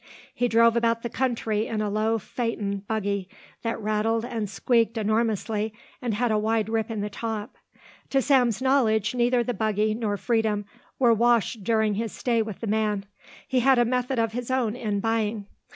He drove about the country in a low phaeton buggy that rattled and squeaked enormously and had a wide rip in the top. To Sam's knowledge neither the buggy nor Freedom were washed during his stay with the man. He had a method of his own in buying.